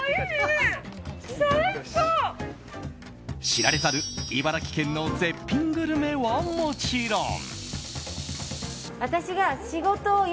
知られざる茨城県の絶品グルメはもちろん。